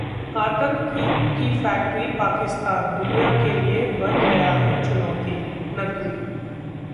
आतंक की फैक्ट्री पाकिस्तान दुनिया के लिए बन गया है चुनौती: नकवी